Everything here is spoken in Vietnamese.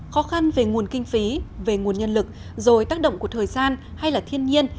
khó khăn về nguồn kinh phí về nguồn nhân lực rồi tác động của thời gian hay là thiên nhiên